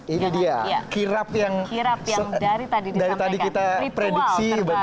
ini dia kirap yang dari tadi kita prediksi